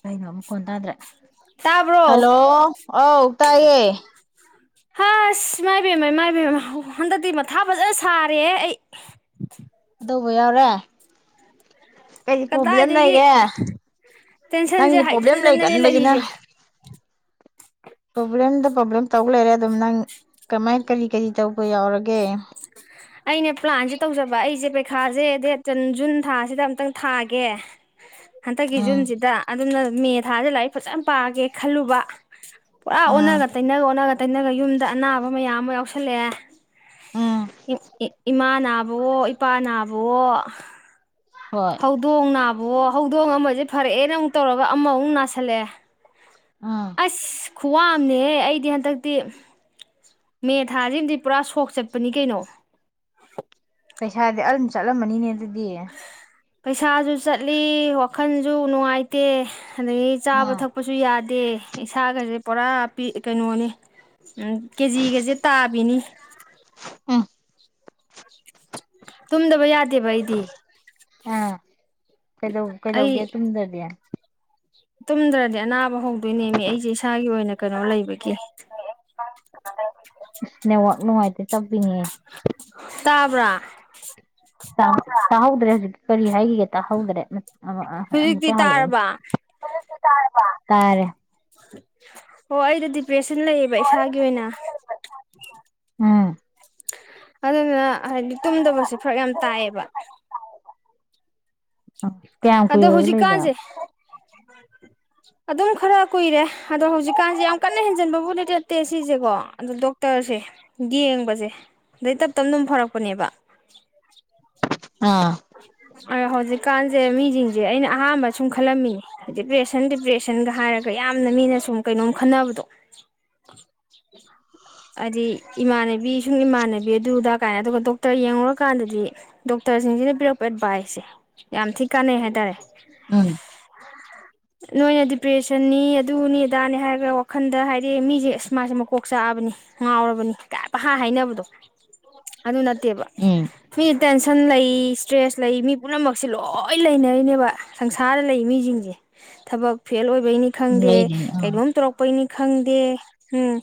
ꯀꯩꯅꯣ ꯃꯈꯣꯟ ꯇꯥꯗꯔꯦ ꯇꯥꯕ꯭ꯔꯣ ꯍꯜꯂꯣ ꯑꯧꯎ ꯇꯥꯌꯦ ꯍꯁ ꯏꯃꯥꯏ ꯏꯕꯦꯝ ꯏꯃꯥꯏꯕꯦꯝ ꯍꯟꯗꯛꯇꯤ ꯃꯊꯥ ꯐꯖꯅ ꯁꯥꯔꯦꯍꯦ ꯑꯩ [unintelligible] ꯌꯥꯎꯔꯦ ꯀꯩ ꯄ꯭ꯔꯣꯕ꯭ꯂꯦꯝ ꯀꯗꯥꯏꯗꯒꯤ ꯂꯩꯔꯦ ꯇꯦꯟꯁꯟꯁꯦ ꯅꯪꯅꯥ ꯄ꯭ꯔꯣꯕ꯭ꯂꯦꯝ ꯍꯥꯏꯖꯤꯟꯗꯅꯅꯦ ꯂꯩꯒꯟꯕꯁꯤꯅ ꯂꯩꯔꯤꯁꯦ ꯄ꯭ꯔꯣꯕ꯭ꯂꯦꯝꯗ ꯄ꯭ꯔꯣꯕ꯭ꯂꯦꯝ ꯇꯧ ꯂꯩꯔꯦ ꯑꯗꯨꯝ ꯅꯪ ꯀꯃꯥꯏ ꯀꯔꯤ ꯀꯔꯤ ꯇꯧꯕ ꯌꯥꯎꯔ ꯒꯦꯝ ꯑꯩꯅ ꯄ꯭ꯂꯥꯟꯁꯦ ꯇꯧꯖꯕ ꯑꯩꯁꯦ ꯄꯩꯈꯥꯁꯦ ꯗꯦꯠ ꯖꯨꯟ ꯊꯥꯁꯤꯗ ꯑꯃꯥꯇꯪ ꯊꯥꯒꯦ ꯍꯟꯗꯛꯀꯤ ꯎꯝ ꯖꯨꯟꯁꯤꯗ ꯑꯗꯨꯝꯅ ꯃꯦ ꯊꯥꯁꯦ ꯂꯥꯏꯔꯤꯛ ꯐꯖꯅ ꯄꯥꯒꯦ ꯈꯜꯂꯨꯕ ꯄꯨꯔ ꯎꯝ ꯑꯣꯅꯒꯥ ꯇꯩꯅꯒꯥ ꯑꯣꯅ ꯇꯩꯅꯒ ꯌꯨꯝꯗ ꯑꯅꯥꯕ ꯃꯌꯥꯝ ꯑꯃ ꯌꯥꯎꯁꯜꯂꯛꯑꯦ ꯎꯝ ꯏꯃ ꯅꯥꯕꯋꯣ ꯏꯄꯥ ꯅꯥꯕꯋꯣ ꯍꯣꯏ ꯍꯧꯗꯣꯡꯅꯞ ꯑꯣ ꯍꯧꯗꯣꯡ ꯑꯃꯁꯦ ꯐꯔꯛꯑꯦꯅ ꯑꯃꯨꯛ ꯇꯧꯔꯒ ꯑꯃꯃꯨꯛ ꯅꯥꯁꯥꯜꯂꯛꯑꯦ ꯎꯝ ꯑꯁ ꯈꯨ꯭ꯋꯥꯝꯅꯦꯍꯦ ꯑꯩꯗꯤ ꯍꯟꯗꯛꯇꯤ ꯃꯦ ꯊꯥꯁꯤꯃꯗꯤ ꯄꯨꯔꯥ ꯁꯣꯛ ꯆꯠꯄꯅꯤ ꯀꯩꯅꯣ ꯄꯩꯁꯥꯗꯤ ꯑꯜ ꯆꯠꯂꯝꯃꯅꯤꯅꯦ ꯑꯗꯨꯗꯤ ꯄꯩꯁꯥꯁꯨ ꯆꯠꯂꯤ ꯋꯥꯈꯜꯁꯨ ꯅꯨꯡꯉꯥꯏꯇꯦ ꯑꯗꯒꯤ ꯆꯥꯕ ꯎꯝ ꯊꯛꯄꯁꯨ ꯌꯥꯗꯦ ꯏꯁꯥꯒꯁꯦ ꯄꯨꯔꯥ ꯄꯤ ꯀꯩꯅꯣꯅꯤ ꯀꯦꯖꯤꯒꯁꯦ ꯇꯥꯕꯤꯅꯤ ꯑ ꯇꯨꯝꯗꯕ ꯌꯥꯠ ꯑꯥ ꯀꯩꯗꯧ ꯀꯩꯗꯧꯒꯦ ꯑꯩ ꯇꯨꯝꯗꯗꯤ ꯇꯨꯝꯗ꯭ꯔꯗꯤ ꯑꯅꯥꯕ ꯍꯧꯗꯣꯏꯅꯦꯃꯤ ꯑꯩꯁꯦ ꯏꯁꯥꯒꯤ ꯑꯣꯏꯅ ꯀꯩꯅꯣ ꯂꯩꯕꯒꯤ ꯑꯦꯁ ꯅꯦꯇꯦꯑꯣꯔꯀ ꯅꯨꯡꯉꯥꯏꯇꯦ ꯆꯞꯄꯤꯅꯦ ꯇꯥꯕ꯭ꯔꯥ ꯇꯥ ꯇꯥꯍꯧꯗ꯭ꯔꯦ ꯍꯧꯖꯤꯛ ꯀꯔꯤ ꯍꯥꯏꯈꯤꯒꯦ ꯇꯥꯍꯧꯈ꯭ꯔꯦ ꯍꯨꯖꯤꯛꯇꯤ ꯇꯥꯔꯕ ꯇꯥꯔꯕꯥ ꯇꯥꯔꯦ ꯍꯣ ꯑꯩꯗꯣ ꯗꯤꯄ꯭ꯔꯦꯁꯟ ꯂꯩꯑꯕ ꯏꯁꯥꯒꯤ ꯑꯣꯏꯅ ꯎꯝ ꯑꯗꯨꯅ ꯍꯥꯏꯗꯤ ꯇꯨꯝꯗꯕꯁꯦ ꯐꯔꯛ ꯌꯥꯝ ꯇꯥꯏꯌꯦꯕ ꯀꯌꯥꯝ ꯑꯗꯣ ꯀꯨꯏꯔꯒꯦ ꯂꯩꯕ ꯍꯧꯖꯤꯛꯀꯥꯟꯁꯦ ꯑꯗꯨꯝ ꯈꯔ ꯀꯨꯏꯔꯦ ꯑꯗꯣ ꯍꯧꯖꯤꯛꯀꯥꯟꯖꯤ ꯌꯥꯝ ꯀꯟꯅ ꯍꯦꯟꯖꯟꯕꯕꯨꯗꯤ ꯅꯠꯇꯦ ꯁꯤꯖꯦꯀꯣ ꯑꯗꯣ ꯗꯣꯛꯇꯔꯁꯦ ꯌꯦꯡꯕꯁꯦ ꯑꯗꯩ ꯇꯞ ꯇꯞꯅ ꯗꯨꯝ ꯐꯔꯛꯄꯅꯦꯕ ꯑꯥ ꯑ ꯍꯧꯖꯤꯛꯀꯥꯟꯖꯦ ꯃꯤꯖꯤꯡꯖꯦ ꯑꯩꯅ ꯑꯍꯥꯟꯕ ꯁꯨꯝ ꯈꯜꯂꯝꯃꯤꯅꯤ ꯗꯤꯄ꯭ꯔꯦꯁꯟ ꯗꯤꯄ꯭ꯔꯦꯁꯟꯒ ꯍꯥꯏꯔꯒ ꯌꯥꯝꯅ ꯃꯤꯅ ꯁꯨꯝ ꯀꯩꯅꯣꯝ ꯈꯟꯅꯕꯗꯣ ꯍꯥꯏꯗꯤ ꯏꯃꯥꯟꯅꯕꯤ ꯁꯨꯝ ꯏꯃꯥꯟꯅꯕꯤ ꯑꯗꯨꯗ ꯀꯥꯏ ꯑꯗꯨꯒ ꯗꯣꯛꯇꯔ ꯌꯦꯡꯉꯨꯔꯀꯥꯟꯗꯗꯤ ꯗꯣꯛꯇꯔꯁꯤꯡꯁꯤꯅ ꯄꯤꯔꯛꯄ ꯑꯦꯗꯚꯏꯁꯦ ꯌꯥꯝ ꯊꯤ ꯀꯥꯟꯅꯩ ꯍꯥꯏꯇꯥꯔꯦ ꯎꯝ ꯅꯣꯏꯅ ꯗꯤꯄ꯭ꯔꯦꯁꯟꯅꯤ ꯑꯗꯨꯅꯤ ꯑꯗꯥꯅꯤ ꯍꯥꯏꯔꯒ ꯋꯥꯈꯟꯗ ꯍꯥꯏꯗꯤ ꯃꯤꯖꯦ ꯑꯁ ꯃꯥꯁꯦ ꯃꯀꯣꯛ ꯆꯥꯛꯑꯕꯅꯤ ꯉꯥꯎꯔꯕꯅꯤ ꯀꯥꯏ ꯄꯍꯥꯏ ꯍꯥꯏꯅꯕꯗꯣ ꯑꯗꯨ ꯅꯠꯇꯦꯕ [unintelligible] ꯎꯝ [unintelligible] ꯇ꯭ꯔꯦꯁ ꯂꯩ ꯃꯤ ꯄꯨꯝꯅꯃꯛꯁꯦ ꯂꯣꯏ ꯂꯩꯅꯔꯤꯅꯦꯕ ꯁꯪꯁꯥꯔꯗ ꯂꯩ ꯃꯤꯖꯤꯡꯖꯦ ꯊꯕꯛ ꯐꯦꯜ ꯑꯣꯏ ꯕꯩꯅꯤ ꯈꯪꯗꯦ ꯂꯩꯔꯤꯅꯦ ꯑꯥ ꯀꯩꯅꯣꯝ ꯇꯧꯔꯛꯄꯩꯅꯤ ꯈꯪꯗꯦ ꯎꯝ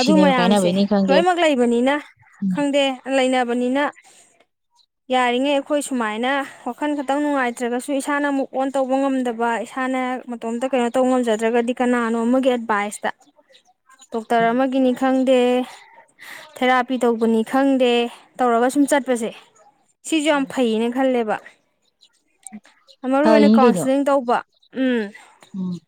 ꯑꯗꯨ ꯃꯌꯥꯝꯁꯦ ꯀꯥꯏꯅꯕꯩꯅꯤ ꯈꯪꯗꯦ ꯂꯣꯏꯅꯃꯛ ꯂꯩꯕꯅꯤꯅ ꯎꯝ ꯈꯪꯗꯦ ꯂꯩꯅꯕꯅꯤꯅ ꯌꯥꯔꯤꯉꯩ ꯈꯣꯏ ꯁꯨꯃꯥꯏꯅ ꯋꯥꯈꯟ ꯈꯇꯪ ꯅꯨꯡꯉꯥꯏꯇ꯭ꯔꯒꯁꯨ ꯏꯁꯥꯅ ꯃꯨꯛ ꯑꯣꯟ ꯇꯧꯕ ꯉꯝꯗꯕ ꯏꯁꯥꯅ ꯃꯇꯣꯝꯇ ꯀꯩꯅꯣ ꯇꯧꯕ ꯉꯝꯖꯗ꯭ꯔꯒꯗꯤ ꯀꯅꯥꯅꯣ ꯑꯃꯒꯤ ꯑꯦꯗꯚꯥꯏꯁꯇ ꯗꯣꯛꯇꯔ ꯎꯝ ꯑꯃꯒꯤꯅꯤ ꯈꯪꯗꯦ ꯊꯦꯔꯥꯄꯤ ꯇꯧꯕꯅꯤ ꯈꯪꯗꯦ ꯇꯧꯔꯒ ꯁꯨꯝ ꯆꯠꯄꯁꯦ ꯁꯤꯖꯨꯌꯥꯝ ꯎꯝ ꯈꯜꯂꯦꯕ ꯃꯔꯨ ꯑꯣꯏꯅ ꯐꯔꯤꯅꯤ ꯀꯩꯅꯣ ꯀꯥꯎꯟꯁꯤꯂꯤꯡ ꯇꯧꯕ ꯎꯝ ꯎꯝ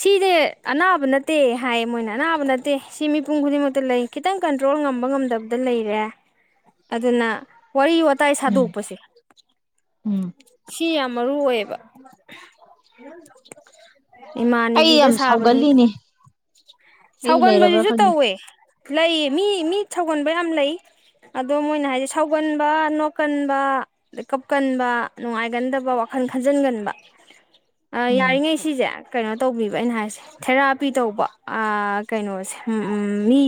ꯁꯤꯗꯤ ꯑꯅꯥꯕ ꯅꯠꯇꯦ ꯍꯥꯏꯌꯦ ꯃꯣꯏꯅ ꯑꯅꯥꯕ ꯅꯠꯇꯦ ꯁꯤ ꯃꯤꯄꯨꯝ ꯈꯨꯗꯤꯡꯃꯛꯇ ꯂꯩ ꯈꯤꯇꯪ ꯀꯟꯇ꯭ꯔꯣꯜ ꯉꯝꯕ ꯉꯝꯗꯕꯗ ꯂꯩꯔꯦ ꯑꯗꯨꯅ ꯋꯥꯔꯤ ꯋꯥꯇꯥꯏ ꯎꯝ ꯁꯥꯗꯣꯛꯄꯁꯦ ꯎꯝ ꯀꯤ ꯌꯥꯝ ꯃꯔꯨ ꯑꯣꯏꯌꯦꯕ ꯑꯩ ꯏꯃꯥꯟꯅꯦꯕꯤꯗ ꯌꯥꯝ ꯁꯥꯕꯅꯤ ꯁꯥꯎꯒꯜꯂꯤꯅꯦ ꯑꯩ ꯂꯩꯔꯕ꯭ꯔꯥ ꯁꯥꯎꯒꯟꯕꯖꯤꯖꯨ ꯈꯪꯗꯦ ꯇꯧꯋꯦ ꯂꯩꯌꯦ ꯃꯤ ꯃꯤ ꯁꯧꯒꯟꯕ ꯌꯥꯝ ꯂꯩ ꯑꯗꯣ ꯃꯣꯏꯅ ꯍꯥꯏꯖꯦ ꯁꯥꯎꯒꯟꯕ ꯅꯣꯛꯀꯟꯕ ꯑꯗ ꯀꯞꯀꯟꯕ ꯅꯨꯡꯉꯥꯏꯒꯟꯗꯕ ꯋꯥꯈꯟ ꯈꯟꯖꯟꯒꯟꯕ ꯑ ꯎꯝ ꯌꯥꯔꯤꯉꯩ ꯁꯤꯖꯦ ꯀꯩꯅꯣ ꯇꯧꯕꯤꯕ ꯑꯩꯅ ꯍꯥꯏꯁꯦ ꯊꯦꯔꯥꯄꯤ ꯇꯧꯕ ꯑꯥ ꯀꯩꯅꯣꯁꯦ ꯎꯝ ꯃꯤ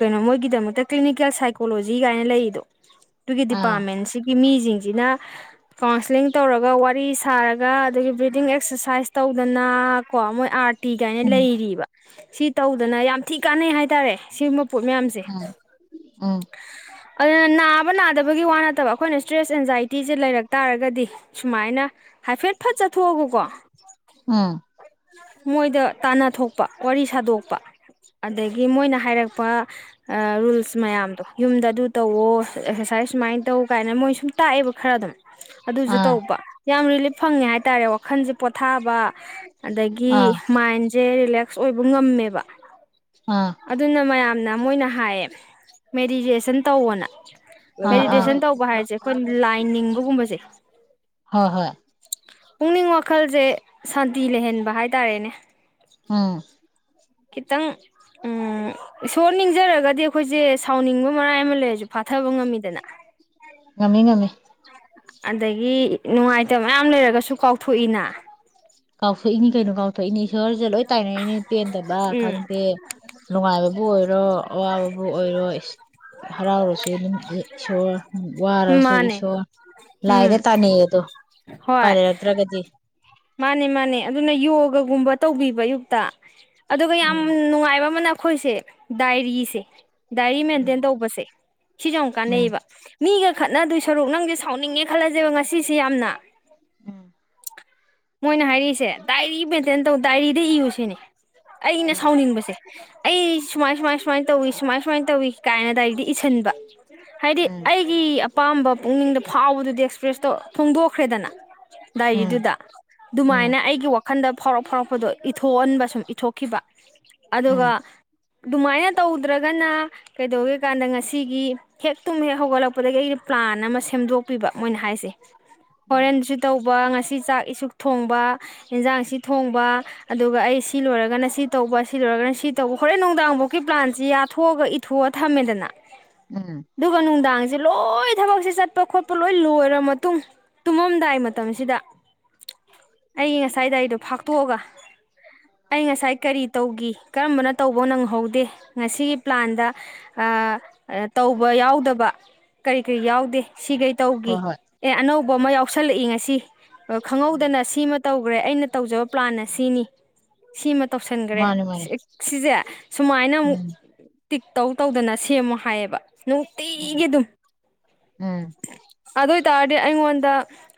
ꯀꯩꯅꯣ ꯃꯣꯏꯒꯤꯗꯃꯛꯇ ꯀ꯭ꯂꯤꯅꯤꯀꯦꯜ ꯁꯥꯏꯀꯣꯂꯣꯖꯤ ꯀꯥꯏꯅ ꯂꯩꯔꯤꯗꯣ ꯇꯨꯒꯤ ꯑꯥ ꯗꯤꯄꯥꯔꯃꯦꯟꯁꯤꯒꯤ ꯃꯤ ꯁꯤꯡꯁꯤꯅ ꯀꯥꯎꯟꯁꯂꯤꯡ ꯇꯧꯔꯒ ꯋꯥꯔꯤ ꯁꯥꯔꯒ ꯑꯗꯒꯤ ꯕ꯭ꯔꯤꯗꯤꯡ ꯑꯦꯛꯁꯔꯁ ꯁꯔꯁꯥꯏꯁ ꯇꯧꯗꯅ ꯀꯣ ꯃꯣꯏ ꯑꯔꯠ ꯤꯒꯥꯏꯅ ꯎꯝ ꯂꯩꯔꯤꯕ ꯁꯤ ꯇꯧꯗꯅ ꯌꯥꯝ ꯊꯤ ꯀꯥꯟꯅꯩ ꯍꯥꯏꯇꯥꯔꯦ ꯁꯤ ꯄꯣꯠ ꯃꯌꯥꯝꯁꯦ ꯎꯝ ꯎꯝ ꯑꯗꯨꯅ ꯅꯥꯕ ꯅꯥꯗꯕꯒꯤ ꯋꯥ ꯅꯠꯇꯕ ꯑꯩꯈꯣꯏꯅ ꯏꯁ꯭ꯇ꯭ꯔꯦꯁ ꯑꯦꯟꯖꯥꯏꯇꯤꯁꯦ ꯂꯩꯔꯛ ꯇꯥꯔꯒꯗꯤ ꯁꯨꯃꯥꯏꯅ ꯍꯥꯏꯐꯦꯠ ꯐꯠ ꯆꯠꯊꯣꯛꯑꯕꯀꯣ ꯎꯝ ꯃꯣꯏꯗ ꯇꯥꯟꯅꯊꯣꯛꯄ ꯋꯥꯔꯤ ꯁꯥꯗꯣꯛꯄ ꯑꯗꯒꯤ ꯃꯣꯏꯅ ꯍꯥꯏꯔꯛꯄ ꯔꯨꯜꯁ ꯃꯌꯥꯝꯗꯣ ꯌꯨꯝꯗ ꯑꯗꯨ ꯇꯧꯋꯣ ꯑꯦꯛꯁꯔꯁꯥꯏꯁ ꯁꯨꯃꯥꯏꯅ ꯇꯧ ꯀꯥꯏꯅ ꯃꯣꯏ ꯁꯨꯝ ꯇꯥꯛꯑꯦꯕ ꯈꯔ ꯑꯗꯨꯝ ꯑꯗꯨꯁꯨ ꯑꯥ ꯇꯧꯕ ꯌꯥꯝ ꯔꯤꯂꯤꯞ ꯐꯪꯉꯦ ꯍꯥꯏꯇꯥꯔꯦ ꯋꯥꯈꯜꯁꯦ ꯄꯣꯊꯥꯕ ꯑꯗꯒꯤ ꯑꯥ ꯃꯥꯏꯟꯁ ꯁꯦ ꯔꯤꯂꯦꯛꯁ ꯑꯣꯏꯕ ꯉꯝꯃꯦꯕ ꯑꯥ ꯑꯗꯨ ꯅ ꯃ ꯌꯥꯝꯅ ꯃꯣꯏꯅ ꯍꯥꯏꯌꯦ ꯃꯦꯗꯤꯇꯦꯁꯟ ꯇꯧꯕꯅ ꯑꯥ ꯑꯥ ꯃꯦꯗꯤꯇꯦꯁꯟ ꯇꯧꯕ ꯍꯥꯏꯔꯤꯁꯦ ꯑꯩꯈꯣꯏꯅ ꯂꯥꯏ ꯅꯤꯡꯕꯒꯨꯝꯕꯁꯦ ꯍꯣꯏ ꯍꯣꯏ ꯄꯨꯛꯅꯤꯡ ꯋꯥꯈꯜꯁꯦ ꯐꯤ ꯂꯩꯍꯟꯕ ꯍꯥꯏꯇꯥꯔꯦꯅꯦ ꯑꯝ ꯈꯤꯇꯪ ꯎꯝ ꯏꯁꯣꯔ ꯅꯤꯡꯖꯔꯒꯗꯤ ꯑꯩꯈꯣꯏꯁꯦ ꯁꯥꯎꯅꯤꯡꯕ ꯃꯔꯥꯏ ꯑꯃ ꯂꯩꯔꯁꯨ ꯐꯥꯊꯕ ꯉꯝꯃꯤꯗꯅ ꯉꯝꯃꯤ ꯉꯃꯤ ꯑꯗꯒꯤ ꯅꯨꯡꯉꯥꯏꯇꯕ ꯃꯌꯥꯝ ꯂꯩꯔꯒꯁꯨ ꯀꯥꯎꯊꯣꯛꯏꯅ ꯀꯥꯎꯊꯣꯛꯏꯅꯤ ꯀꯩꯅꯣ ꯀꯥꯎꯊꯣꯛꯏꯅꯤ ꯁꯍꯔꯁꯦ ꯂꯣꯏ ꯇꯥꯏꯅꯩꯅꯦ ꯄꯦꯟꯗꯕ ꯎꯝ ꯈꯪꯗꯦ ꯅꯨꯡꯉꯥꯏꯕꯕꯨ ꯑꯣꯏꯔꯣ ꯑꯋꯥꯕꯕꯨ ꯑꯣꯏꯔꯣ ꯍꯔꯥꯎꯔꯁꯨ ꯏꯁꯣꯔ ꯋꯥꯔꯁꯨ ꯃꯥꯅꯦ ꯏꯁꯣꯔ ꯂꯥꯏꯗ ꯎꯝ ꯇꯥꯟꯅꯩ ꯑꯗꯣ ꯍꯣꯏ ꯐꯔ ꯌꯥꯠꯇ꯭ꯔꯒꯗꯤ ꯃꯥꯅꯦ ꯃꯥꯅꯦ ꯑꯗꯨꯅ ꯌꯣꯒꯒꯨꯝꯕ ꯇꯧꯕꯤꯕ ꯑꯌꯨꯛꯇ ꯑꯗꯨꯒ ꯌꯥꯝ ꯎꯝ ꯅꯨꯡꯉꯥꯏꯕ ꯑꯃꯅ ꯣꯏꯁ ꯗꯏꯔꯤꯁ ꯗꯥꯏꯔꯤ ꯎꯝ ꯃꯦꯟꯇꯦꯟ ꯇꯧꯕꯁꯦ ꯁꯤꯁꯨ ꯌꯥꯝꯛ ꯎꯝ ꯀꯥꯟꯅꯩꯌꯦꯕ ꯃꯤꯒ ꯈꯠꯅꯗꯣꯏ ꯁꯔꯨꯛ ꯅꯪꯁꯦ ꯁꯥꯎꯅꯤꯡꯉꯦ ꯈꯜꯂꯁꯦꯕ ꯉꯁꯤꯁꯦ ꯌꯥꯝꯅ ꯎꯝ [unintelligible] ꯃꯣꯏꯅ ꯍꯥꯏꯔꯛꯏꯁꯦ ꯗꯥꯏꯔꯤ ꯃꯦꯟꯇꯦꯟ ꯇꯧ ꯗꯥꯏꯔꯤꯗ ꯏꯌꯨꯁꯤꯅꯤ ꯑꯩꯅ ꯎꯝ ꯁꯥꯎꯅꯤꯡꯕꯁꯦ ꯑꯩ ꯁꯨꯃꯥꯏ ꯁꯨꯃꯥꯏ ꯁꯨꯃꯥꯏꯅ ꯇꯧꯏ ꯁꯨꯃꯥꯏ ꯁꯨꯃꯥꯏꯅ ꯇꯧꯏ ꯀꯥꯏꯅ ꯗꯥꯏꯔꯤꯗ ꯏꯁꯤꯟꯕ ꯍꯥꯏꯗꯤ ꯎꯝ ꯑꯩꯒꯤ ꯑꯄꯥꯝꯕ ꯄꯨꯛꯅꯤꯡꯗ ꯐꯥꯎꯕꯗꯨꯗꯤ ꯑꯦꯛꯁꯄ꯭ꯔꯦꯁꯇꯣ ꯐꯣꯡꯗꯣꯛꯈ꯭ꯔꯦꯗꯅ ꯎꯝ ꯗꯥꯏꯔꯤꯗꯨꯗ ꯑꯗꯨꯃꯥꯏꯅ ꯎꯝ ꯑꯩꯒꯤ ꯋꯥ ꯋꯥꯈꯟꯗ ꯐꯥꯎꯔꯛ ꯐꯥꯎꯔꯛꯄꯗꯣ ꯏꯊꯣꯛꯍꯟꯕ ꯁꯨꯝ ꯏꯊꯣꯛꯈꯤꯕ ꯑꯗꯨꯒ ꯎꯝ ꯎꯝ ꯑꯗꯨꯃꯥꯏꯅ ꯇꯧꯗ꯭ꯔꯒꯅ ꯀꯩꯗꯧꯒꯦ ꯀꯥꯟꯗ ꯉꯁꯤꯒꯤ ꯍꯦꯛ ꯇꯨꯝ ꯍꯦꯛ ꯍꯧꯒꯠꯂꯛꯄꯗꯒꯤ ꯑꯩꯩꯅ ꯄ꯭ꯂꯥꯟ ꯑꯃ ꯁꯦꯝꯗꯣꯛꯄꯤꯕ ꯃꯣꯏꯅ ꯍꯥꯏꯁꯦ ꯎꯝ ꯍꯣꯔꯦꯟꯁꯨ ꯇꯧꯕ ꯉꯁꯥꯏ ꯁꯤ ꯆꯥꯛ ꯏꯁꯨꯛ ꯊꯣꯡꯕ ꯏꯟꯖꯥꯡꯁꯤ ꯊꯣꯡꯕ ꯑꯗꯨꯒ ꯑꯩ ꯁꯤ ꯂꯣꯏꯔꯒꯅ ꯁꯤ ꯇꯧꯕ ꯁꯤ ꯂꯣꯏꯔꯒꯅ ꯁꯤ ꯇꯧꯕ ꯍꯣꯔꯦꯟ ꯅꯨꯡꯗꯥꯡꯐꯥꯎꯀꯤ ꯄ꯭ꯂꯥꯟꯁꯤ ꯌꯥꯊꯣꯛꯑꯒ ꯏꯊꯣꯛꯑ ꯊꯝꯃꯦꯗꯅ ꯎꯝ ꯗꯨꯒ ꯅꯨꯡꯗꯥꯡ ꯁꯤ ꯂꯣꯏ ꯊꯕꯛꯁꯦ ꯆꯠꯄ ꯈꯣꯠꯄ ꯂꯣꯏ ꯂꯣꯏꯔ ꯃꯇꯨꯡ ꯇꯨꯝꯃꯝꯗꯥꯏ ꯃꯇꯝꯁꯤꯗ ꯑꯩꯒꯤ ꯉꯁꯥꯏꯒꯤ ꯗꯥꯏꯔꯤꯗꯣ ꯐꯥꯛꯇꯣꯛꯑꯒ ꯑꯩ ꯉꯁꯥꯏ ꯀꯔꯤ ꯇꯧꯈꯤ ꯀꯔꯝꯕꯅ ꯇꯧꯕ ꯅꯪꯍꯧꯗꯦ ꯉꯁꯤꯒꯤ ꯄ꯭ꯂꯥꯟꯗ ꯇꯧꯕ ꯌꯥꯎꯗꯕ ꯀꯔꯤ ꯀꯔꯤ ꯌꯥꯎꯗꯦ ꯁꯤꯈꯩ ꯇꯧꯈꯤ ꯍꯣꯏ ꯍꯣꯏ ꯑꯦ ꯑꯅꯧꯕ ꯑꯃ ꯌꯥꯎꯁꯜꯂꯛꯏ ꯉꯁꯤ ꯎꯝ ꯅꯁꯤꯃ ꯇꯧꯈ꯭ꯔꯦ ꯑꯩꯅ ꯇꯧꯖꯕ ꯄ꯭ꯂꯥꯟ ꯑꯁꯤꯅꯤ ꯁꯤꯃ ꯇꯧꯁꯟꯈ꯭ꯔꯦ ꯃꯥꯅꯦ ꯃꯥꯅꯦ ꯏ ꯁꯤꯁꯦ ꯁꯨꯃꯥꯏꯅ ꯑꯃꯨꯛ ꯎꯝ ꯇꯤꯛ ꯇꯧ ꯇꯧꯗꯅ ꯁꯦꯝꯃꯣ ꯍꯥꯏꯌꯦꯕ ꯅꯨꯡꯇꯤꯒꯤ ꯑꯗꯨꯝ ꯎꯝ ꯑꯗꯨ ꯇꯥꯔꯗꯤ ꯑꯩꯉꯣꯟꯗ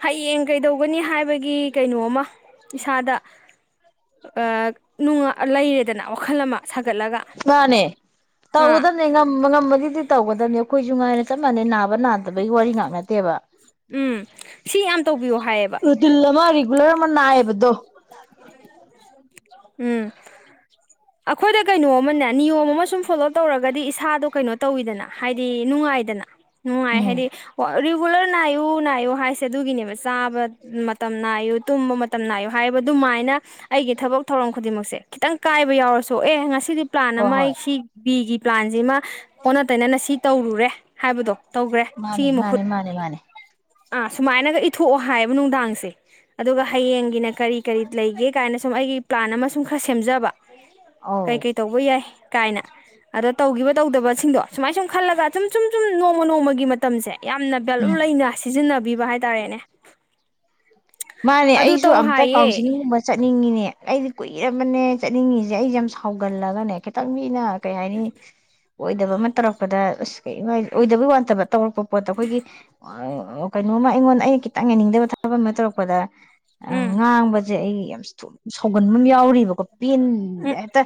ꯍꯌꯦꯡ ꯀꯩꯗꯧꯒꯅꯤ ꯍꯥꯏꯕꯒꯤ ꯒꯤ ꯀꯩꯅꯣꯃ ꯏꯁꯥꯗ ꯑꯥ ꯅꯨꯡ ꯂꯩꯔꯦꯗꯅ ꯋꯥꯈꯜ ꯑꯃ ꯁꯥꯒꯠꯂꯒ ꯃꯥꯅꯦ ꯑꯥ ꯇꯧꯒꯗꯕꯅꯦ ꯉꯝꯕ ꯉꯝꯕꯒꯤꯗꯤ ꯇꯧꯒ ꯕꯅꯤ ꯑꯈꯣꯏꯁꯨ ꯉꯥꯏꯅ ꯆꯞ ꯃꯥꯟꯅꯩ ꯅꯥꯕ ꯅꯥꯗꯕꯒꯤ ꯋꯥꯔꯤ ꯉꯥꯛ ꯅꯠꯇꯦꯕ ꯎꯝ ꯁꯤ ꯌꯥꯝ ꯇꯧꯕꯤꯌꯣ ꯍꯥꯏꯌꯦꯕ ꯂ ꯑꯃ ꯅꯑꯕꯗꯣ ꯎꯝ ꯑꯈꯣꯏꯗ ꯀꯩꯅꯣ ꯑꯃꯅꯦ ꯅꯤꯌꯣꯝ ꯑꯃ ꯁꯨꯝ ꯐꯣꯂꯣ ꯇꯧꯔꯒꯗꯤ ꯏꯁꯥꯗꯣ ꯀꯩꯅꯣ ꯇꯧꯋꯤꯗꯅ ꯍꯥꯏꯗꯤ ꯅꯨꯡꯉꯥꯏꯗꯅ ꯅꯨꯡꯉꯥꯏ ꯎꯝ ꯍꯥꯏꯗꯤ ꯑꯣ ꯔꯤꯒꯨꯂꯔ ꯅꯥꯏꯌꯨ - ꯅꯥꯏꯌꯨ ꯍꯥꯏꯁꯦ ꯑꯗꯨꯒꯤꯅꯦꯕ ꯆꯥꯕ ꯃꯇꯝ ꯅꯥꯏꯌꯨ ꯇꯨꯝꯕ ꯃꯇꯝ ꯅꯥꯏꯌꯨ ꯍꯥꯏꯕ ꯑꯗꯨꯃꯥꯏꯅ ꯑꯩꯒꯤ ꯊꯕꯛ ꯊꯧꯔꯝ ꯈꯨꯗꯤꯡꯃꯛꯁꯦ ꯈꯤꯇꯪ ꯀꯥꯏꯕ ꯌꯥꯎꯔꯁꯨ ꯑꯦ ꯉꯁꯤ ꯁꯤꯗꯤ ꯄ꯭ꯂꯥꯟ ꯍꯣꯏ ꯑꯃ ꯍꯣꯏ ꯑꯩ ꯁꯤ ꯕꯤꯒꯤ ꯄ꯭ꯂꯥꯟꯁꯤꯃ ꯑꯣꯟꯅ ꯇꯩꯅꯅ ꯁꯤ ꯇꯧꯔꯨꯔꯦ ꯍꯥꯏꯕꯗꯣ ꯇꯧꯈ꯭ꯔꯦ ꯃꯥꯅꯦ ꯁꯤꯒꯤ - ꯃꯥꯅꯦ ꯃꯍꯨꯠ - ꯃꯥꯅꯦ - ꯃꯥꯅꯦ ꯑꯥ ꯁꯨꯃꯥꯏꯅꯒ ꯏꯊꯣꯛꯑꯣ ꯍꯥꯏꯌꯦꯕ ꯅꯨꯡꯗꯥꯡꯁꯦ ꯑꯗꯨꯒ ꯍꯌꯦꯡꯒꯤꯅ ꯀꯔꯤ - ꯀꯔꯤ ꯂꯩꯒꯦ ꯀꯥꯏꯅ ꯁꯨꯝ ꯑꯩꯒꯤ ꯄ꯭ꯂꯥꯟ ꯑꯃ ꯁꯨꯝ ꯈꯔ ꯁꯦꯝꯖꯕ ꯑꯧ ꯀꯩꯀꯩ ꯇꯧꯕ ꯌꯥꯏ ꯀꯥꯏꯅ ꯑꯗꯣ ꯇꯧꯈꯤꯕ ꯇꯧꯗꯕꯁꯤꯡꯗꯣ ꯁꯨꯃꯥꯏ ꯁꯨꯝ ꯈꯜꯂꯒ ꯁꯨꯝ -ꯁꯨꯝ- ꯁꯨꯝ ꯅꯣꯡꯃ -ꯅꯣꯡꯃꯒꯤ ꯃꯇꯝꯁꯦ ꯌꯥꯝꯅ ꯚꯦꯂꯨ ꯎꯝ ꯂꯩꯅ ꯁꯤꯖꯤꯟꯅꯕ ꯕꯤꯕ ꯍꯥꯏꯇꯥꯔꯦꯅꯦ ꯃꯥꯅꯦ ꯑꯗꯨ ꯑꯩꯁꯨ ꯇꯧ ꯑꯝꯇ ꯍꯥꯏꯌꯦ ꯀꯥꯎꯟꯁꯤꯂꯤꯡꯒꯨꯝꯕ ꯆꯠꯅꯤꯡꯉꯤꯅꯦ ꯑꯩꯗꯤ ꯀꯨꯏꯔꯕꯅꯦ ꯆꯠꯅꯤꯡꯉꯤꯁꯦ ꯑꯩꯁꯦ ꯌꯥꯝ ꯁꯥꯎꯒꯜꯂꯒꯅꯦ ꯈꯤꯇꯪ ꯃꯤꯅ ꯀꯩ ꯍꯥꯏꯅꯤ ꯑꯣꯏꯗꯕ ꯑꯃ ꯇꯧꯔꯛꯄꯗ ꯑꯁ ꯀ ꯑꯣꯏꯗꯕꯩ ꯋꯥꯅꯠꯇꯕ ꯇꯧꯔꯛꯄ ꯄꯣꯠꯇꯣ ꯑꯩꯈꯣꯏꯒꯤ ꯀꯩꯅꯣꯃ ꯑꯩꯉꯣꯟꯗ ꯑꯩꯅ ꯈꯤꯇꯪ ꯌꯥꯅꯤꯡꯗꯕ ꯊꯕꯛ ꯑꯃ ꯇꯧꯔꯛꯄ ꯄꯗ ꯑ ꯎꯝ ꯉꯥꯡꯕꯁꯦ ꯑꯩ ꯌꯥꯝ ꯁꯥꯎꯒꯟꯕ ꯑꯃ ꯌꯥꯎꯔꯤꯕꯀꯣ ꯄꯦꯟꯗ ꯍꯦꯛꯇ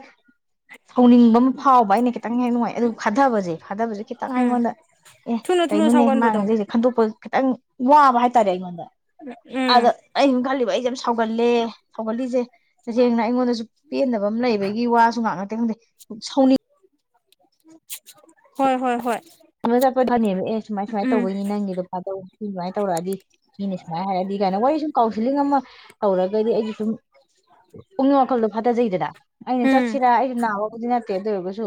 ꯁꯧꯅꯤꯡꯕ ꯑꯃ ꯐꯥꯎꯕ ꯑꯩꯅ ꯈꯤꯇꯪ ꯍꯦꯟꯅ ꯅꯨꯡꯉꯥꯏ ꯑꯗꯨ ꯐꯥꯊꯕꯖꯦ - ꯐꯥꯗꯕꯖꯦ ꯈꯤꯇꯪ ꯎꯝ ꯑꯩꯉꯣꯟꯗ ꯑꯦ ꯊꯨꯅ ꯊꯨꯅ ꯀꯩꯅꯣꯅꯦ ꯃꯥꯥꯅ ꯁꯥꯎꯒꯟꯕꯗꯣ ꯍꯥꯏꯖꯩꯁꯦ ꯈꯟꯗꯣꯛꯄ ꯈꯤꯇꯪ ꯋꯥꯕ ꯍꯥꯏꯇꯥꯔꯦ ꯑꯩꯉꯣꯟꯗ ꯎꯝ ꯑꯗ ꯑꯩꯪ ꯈꯜꯂꯤꯕ ꯑꯩ ꯌꯥꯝ ꯁꯒꯜꯂꯦ ꯁꯒꯜꯂꯤꯁꯦ ꯇꯁꯦꯡꯅ ꯑꯩꯉꯣꯟꯗ ꯄꯦꯟꯗꯕ ꯑꯃ ꯂꯩꯕꯒꯤ ꯋꯥꯁꯨ ꯉꯥꯛ ꯅꯠꯇꯦ ꯈꯪꯗꯦ ꯁꯥꯎꯅꯤ ꯍꯣꯏ- ꯍꯣꯏ -ꯍꯣꯏ ꯍꯣꯏ [unintelligible] ꯆ ꯊꯝꯃꯦ ꯗꯨ ꯑꯦ ꯁꯨꯃꯥꯏ -ꯁꯨꯃꯥꯏꯅ ꯎꯝ ꯇꯧꯕꯩꯅꯤ ꯅꯪꯒꯤꯗꯣ ꯐꯥꯗꯧ ꯁꯤ ꯁꯨꯃꯥꯏꯅ ꯇꯧꯔꯛꯑꯗꯤ ꯃꯤꯅ ꯁꯨꯃꯥꯏꯅ ꯍꯥꯏꯔꯛꯑꯗꯤ ꯀꯥꯏꯅ ꯋꯥꯔꯤ ꯁꯨꯝ ꯀꯥꯎꯟꯁꯤꯂꯤꯡ ꯑꯃ ꯇꯧꯔꯒꯗꯤ ꯑꯩꯁꯨ ꯁꯨꯝ ꯄꯨꯛꯅꯤꯡ ꯋꯥꯈꯜꯗꯣ ꯐꯊꯖꯩꯗꯅ ꯑꯩꯅ ꯎꯝ ꯆꯠꯁꯤꯔꯥ ꯑꯩꯁꯨ ꯅꯥꯕꯕꯨꯗꯤꯅ ꯑꯗꯨ ꯑꯣꯏꯔꯒꯁꯨ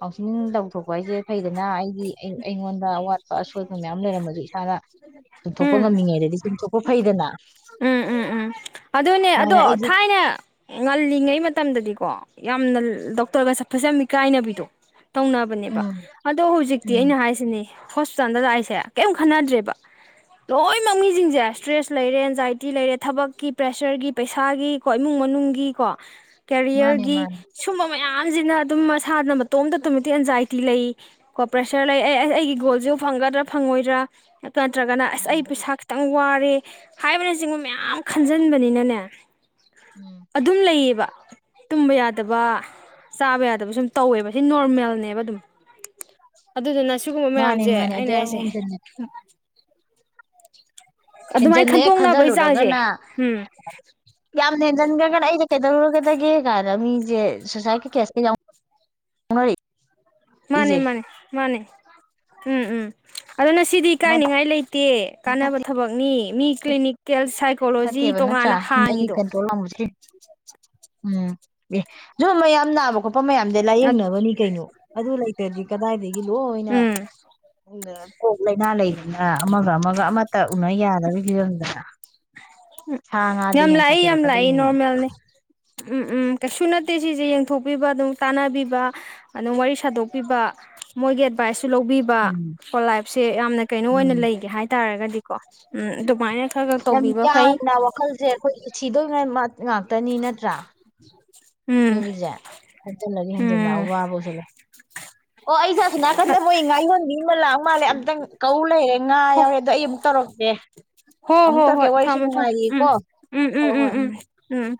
ꯀꯥꯎꯟꯁꯤꯂꯤꯡ ꯇꯧꯊꯣꯛꯄ ꯍꯥꯏꯁꯦ ꯐꯩꯗꯅ ꯑꯩ ꯑꯩ ꯑꯩꯉꯣꯟꯗ ꯑꯋꯥꯠꯄ ꯑꯁꯣꯏꯕ ꯃꯌꯥꯝ ꯂꯩꯔꯝꯃꯁꯨ ꯏꯁꯥꯅ ꯆꯨꯝꯊꯣꯛꯄ ꯎꯝ ꯉꯝꯃꯤꯉꯩꯗꯗꯤ ꯆꯨꯝꯊꯣꯛꯄ ꯐꯩꯗꯅ ꯎꯝ -ꯎꯝ ꯑꯗꯨꯅꯦ ꯑꯗꯣ ꯁꯨꯃꯥꯏꯅ ꯑꯩꯁꯨ ꯊꯥꯏꯅ ꯉꯜꯂꯤꯉꯩ ꯃꯇꯝꯗꯗꯤꯀꯣ ꯌꯥꯝꯅ ꯗꯣꯛꯇꯔꯒ ꯆꯠꯄꯖꯦ ꯌꯥꯝ ꯏꯀꯥꯏꯅꯕꯤꯗꯣ ꯇꯧꯅꯕꯅꯦꯕ ꯎꯝ ꯑꯗꯣ ꯍꯧꯖꯤꯛꯇꯤ ꯎꯝ ꯑꯩꯅ ꯍꯥꯏꯁꯤꯅꯦ ꯍꯣꯁꯄꯤꯇꯥꯜꯗ ꯂꯥꯛ ꯑꯩꯁꯦ ꯀꯩꯝ ꯈꯟꯅꯗ꯭ꯔꯦꯕ ꯂꯣꯏꯅꯃꯛ ꯃꯤꯁꯤꯡꯁꯦ ꯁ꯭ꯇ꯭ꯔꯦꯁ ꯂꯩꯔꯦ ꯑꯦꯟꯖꯥꯏꯇꯤ ꯂꯩꯔꯦ ꯊꯕꯛꯀꯤ ꯄ꯭ꯔꯦꯁꯔꯒꯤ ꯄꯩꯁꯥꯒꯤ ꯀꯣ ꯏꯃꯨꯡ ꯃꯅꯨꯡꯒꯤꯀꯣ ꯃꯥꯅꯦ ꯀꯦꯔꯤꯌꯔꯒꯤ ꯃꯥꯅꯦ ꯁꯨꯝꯕ꯫ ꯃꯌꯥꯝꯁꯤꯅ ꯑꯗꯨꯝ ꯃꯁꯥꯅ ꯃꯇꯣꯝꯇ ꯑꯗꯨꯃꯤꯛ ꯑꯦꯟꯖꯥꯏꯇꯤ ꯂꯩ ꯀꯣ ꯄ꯭ꯔꯦꯁꯔ ꯂꯩ ꯑꯩ ꯑꯩꯒꯤ ꯒꯣꯜꯁꯕꯨ ꯐꯪꯒꯗ꯭ꯔꯥ ꯐꯪꯉꯣꯏꯗ꯭ꯔꯥ꯫ ꯅꯠꯇ꯭ꯔꯒꯅ ꯑꯁ ꯑꯩ ꯎꯝ ꯄꯩꯁꯥ ꯈꯤꯇꯪ ꯋꯥꯔꯦ ꯍꯥꯏꯕꯅꯆꯤꯡꯕ ꯃꯌꯥꯝ ꯈꯟ꯫ ꯈꯟꯖꯤꯟꯕꯅꯤꯅꯅꯦ꯫ ꯎꯝ ꯑꯗꯨꯝ ꯂꯩꯌꯦꯕ ꯇꯨꯝꯕ ꯌꯥꯗꯕ ꯆꯥꯕ ꯌꯥꯗꯕ ꯁꯨꯝ ꯇꯧꯋꯦꯕ ꯁꯤ ꯅꯣꯔꯃꯦꯜꯅꯦꯕ ꯑꯗꯨꯝ ꯑꯗꯨꯗꯨꯅ꯫ ꯁꯤꯒꯨꯝꯕ ꯃꯥꯅꯦ ꯃꯌꯥꯝꯁꯦ ꯃꯥꯅꯦ ꯑꯗꯨ ꯑꯩꯅ ꯌꯥꯝ ꯍꯥꯏꯁꯦ [inaudible] ꯍꯦꯟꯖꯟꯅ ꯑꯗꯨꯃꯥꯏꯅ ꯍꯦꯟꯖꯟꯅ ꯍꯦꯛ ꯈꯟꯇꯣꯛꯅꯕꯒꯤ ꯆꯥꯡꯁꯦ ꯈꯟꯖꯜꯂꯨꯔꯒꯅ ꯎꯝ꯫ ꯍꯖꯤꯟꯈ꯭ꯔꯒꯅ ꯑꯩꯗ ꯀꯩꯗꯧꯔꯒꯗꯒꯦ ꯀꯥꯏꯅ ꯃꯤꯁꯦ ꯁꯨꯁꯥꯏꯠꯀꯤ ꯀꯦꯁꯇ ꯌꯥꯎ ꯌꯥꯅꯔꯤ꯫ ꯃꯥꯅꯤ ꯃꯥꯅꯤ ꯃꯥꯅꯤ ꯎꯝ ꯎꯝ ꯑꯗꯨꯅ ꯁꯤꯗꯤ ꯏꯀꯥꯏꯅꯤꯉꯥꯏ ꯂꯩ꯫ ꯇꯦ ꯀꯥꯟꯅꯕ ꯐꯠꯇꯦ ꯊꯕꯛꯅꯤ ꯃꯤ ꯀ꯭ꯂꯤꯅꯤꯛ ꯀꯦꯜꯁꯤ ꯐꯠꯇꯦꯕ ꯅꯠꯇ꯭ꯔꯥ ꯍꯤꯟꯒꯤ ꯀꯟꯇ꯭ꯔꯣꯜ ꯎꯝ ꯑꯦ ꯁꯨ ꯃꯌꯥꯝꯅꯕ꯫ ꯃꯌꯥꯝꯁꯦ ꯂꯥꯏꯌꯦꯡꯅꯕꯅꯤ ꯀꯩꯅꯣ ꯑꯗꯨ ꯂꯩꯇ꯭ꯔꯗꯤ ꯀꯗꯥꯏꯗꯒꯤ ꯂꯣꯏꯅ꯫ ꯎꯝ ꯀꯣꯛ ꯂꯩꯥꯏꯅꯥ ꯂꯩꯔꯤꯅ ꯑꯃꯒ ꯑꯃꯒ ꯑꯃꯇ ꯎꯅ ꯌꯥꯔꯣꯏ ꯐꯤꯕꯝꯗ ꯎꯝ ꯁꯥ ꯉꯥꯗꯤ ꯌꯥꯝ ꯍꯦꯟꯅ ꯂꯥꯛꯏ ꯌꯥꯝ ꯂꯥꯛꯏ ꯁꯥꯊꯤꯔꯛꯀꯗꯣꯏꯅꯤꯅꯦ ꯅꯣꯔꯃꯦꯜꯅꯤ ꯎꯝ ꯎꯝ ꯀꯩꯁꯨ ꯅꯠꯇꯦ꯫ ꯐꯠꯇꯦ ꯁꯤꯁꯦ ꯌꯦꯡꯊꯣꯛꯄꯤꯕ ꯑꯗꯨꯝ ꯇꯥꯟꯅꯕꯤꯕ ꯑꯗꯨꯝ ꯋꯥꯔꯤ ꯁꯥꯗꯣꯛꯄꯤꯕ ꯃꯣꯏꯒꯤ ꯑꯦꯗꯚꯥꯏꯁ꯫ ꯁꯨ ꯂꯧꯕꯤꯕ ꯎꯝ ꯀꯣ ꯂꯥꯏꯞꯁꯦ ꯌꯥꯝꯅ ꯀꯩꯅꯣ ꯑꯣꯏꯅ ꯎꯝ ꯂꯩꯒꯦ ꯍꯥꯏꯇꯥꯔꯒꯗꯤ ꯀꯣ ꯎꯝ ꯑꯗꯨꯃꯥꯏꯅ ꯈꯔ ꯈꯔ ꯇꯧꯕꯤꯕ ꯐꯩ ꯍꯥꯡꯅ ꯋꯥꯈꯜꯁꯦ ꯑꯩꯈꯣꯏ ꯁꯤꯗꯣꯏꯕ ꯉꯥꯛꯇꯅꯤ ꯅꯠꯇ꯭ꯔꯥ [inaudible] ꯃꯤꯁꯦ ꯐꯠꯇꯅ ꯍꯦꯟꯖꯥꯜꯅ ꯎꯝ ꯑꯋꯥꯕ ꯑꯣꯏꯁꯥꯜꯂꯥ ꯑꯣ ꯑꯩꯁꯦ ꯑꯁꯣꯝꯀꯟꯗ ꯃꯣꯏ ꯉꯥ ꯌꯣꯟꯕꯤ ꯑꯃ ꯂꯛ꯫ ꯃꯥꯜꯂꯦ ꯑꯝꯇꯪ ꯀꯧꯂꯩꯔꯦ ꯉꯥ ꯍꯣ ꯌꯥꯎꯔꯦ ꯑꯗꯣ ꯑꯩ ꯑꯃꯨꯛ ꯇꯧꯔꯛꯀꯦ ꯍꯣ ꯑꯃꯨꯛ ꯍꯣ ꯍꯣꯏ ꯇꯧꯔꯛꯀꯦ ꯋꯥꯔꯤꯁꯨ ꯊꯝꯃꯣ ꯊꯝꯃꯣ ꯎꯝ ꯅꯨꯡꯉꯥꯏꯌꯦꯀꯣ ꯍꯣꯏ ꯍꯣꯏ ꯎꯝ ꯎꯝ